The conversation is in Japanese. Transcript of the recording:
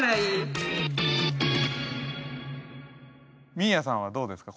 みーやさんはどうですか？